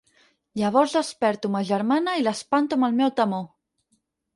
Llavors desperto ma germana i l'espanto amb el meu temor.